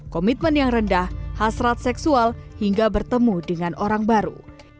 komitmen yang rendah hasrat seksual hingga bertemu dengan orang baru